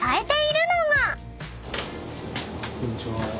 こんにちは。